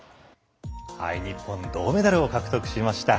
日本銅メダルを獲得しました。